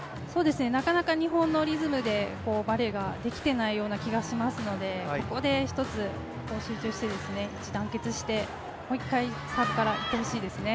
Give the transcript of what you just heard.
なかなか日本のリズムでバレーができていない気がしますのでここでひとつ一致団結してもう１回サーブからいってほしいですね。